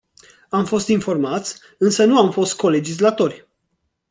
Am fost informați, însă nu am fost co-legislatori.